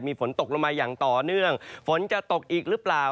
มีฝนตกลงมาอย่างต่อเนื่องฝนจะตกอีกหรือเปล่า